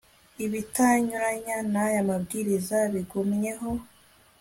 ibitanyuranya n'aya mabwiriza bigumyeho